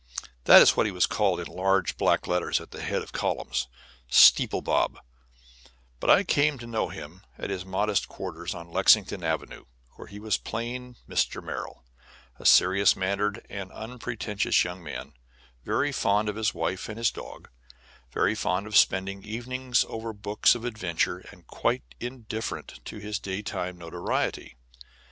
That is what he was called in large black letters at the head of columns "Steeple Bob"; but I came to know him at his modest quarters on Lexington Avenue, where he was plain Mr. Merrill, a serious mannered and an unpretentious young man, very fond of his wife and his dog, very fond of spending evenings over books of adventure, and quite indifferent to his day time notoriety.